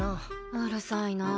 うるさいなあ。